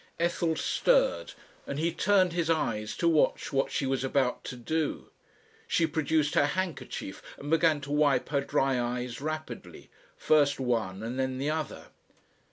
Ethel stirred and he turned his eyes to watch what she was about to do. She produced her handkerchief and began to wipe her dry eyes rapidly, first one and then the other.